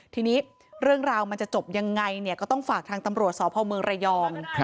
ทีนี้เรื่องราวมันจะจบยังไงก็ต้องฝากทางตำรวจสพเมืองระยอง